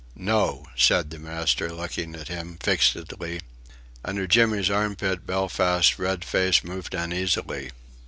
"No," said the master, looking at him, fixedly. Under Jimmy's armpit Belfast's red face moved uneasily.